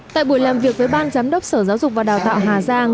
tại buổi làm việc với ban giám đốc sở giáo dục và đào tạo hà giang